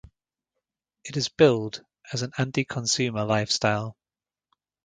It is billed as an anti-consumer lifestyle.